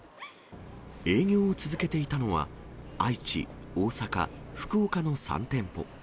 営業を続けていたのは、愛知、大阪、福岡の３店舗。